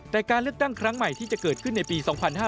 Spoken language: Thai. แต่การเลือกตั้งครั้งใหม่ที่จะเกิดขึ้นในปี๒๕๕๙